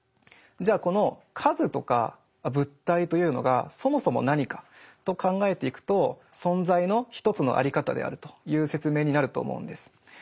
じゃあこの数とか物体というのがそもそも何かと考えていくと「存在」の一つのあり方であるという説明になると思うんです。